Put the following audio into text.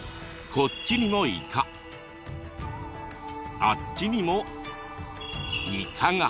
こっちにもイカあっちにもイカが。